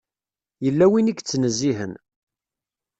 Yella win i yettnezzihen.